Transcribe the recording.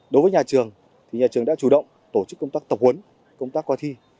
đối với nhà trường thì nhà trường đã chủ động tổ chức công tác tập huấn công tác coi thi